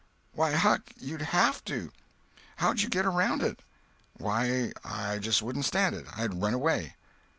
"Why, Huck, you'd have to. How'd you get around it?" "Why, I just wouldn't stand it. I'd run away."